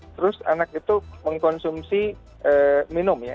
terus anak itu mengkonsumsi minum ya